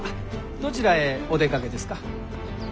どちらへお出かけですか？